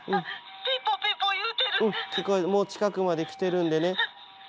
うんもう近くまで来てるんでね。